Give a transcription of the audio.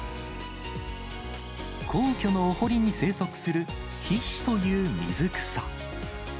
皇居のお堀に生息するヒシという水草。